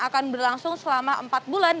akan berlangsung selama empat bulan